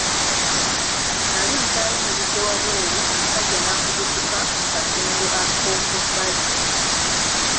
Nali nkyayimiridde wabweru omusajja n'afubutuka mu kasenge ak'oku bbali.